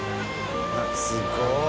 すごーい！